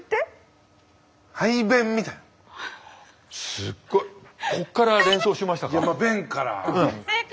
すっごいこっから連想しましたか？